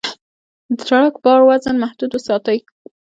د ټرک بار وزن محدود وساتئ.